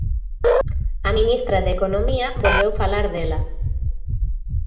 A ministra de Economía volveu falar dela.